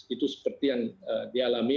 itu seperti yang dialami